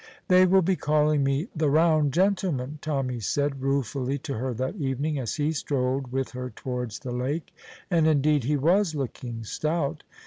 "They will be calling me the round gentleman," Tommy said ruefully to her that evening, as he strolled with her towards the lake, and indeed he was looking stout.